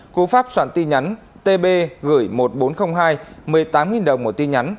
cú pháp soạn tin nhắn tb gửi một nghìn bốn trăm linh hai một mươi tám đồng một tin nhắn